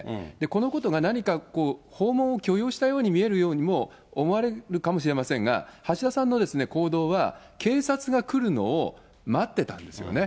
このことが何か、訪問を許容したように見えるようにも思われるかもしれませんが、橋田さんの行動は、警察が来るのを待ってたんですよね。